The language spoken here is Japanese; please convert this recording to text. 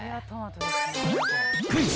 クイズ！